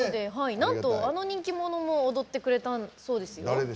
なんと、あの人気者も踊ってくれたそうですよ。